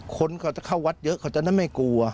คนเขาจะเข้าวัดเยอะเขาจะได้ไม่กลัว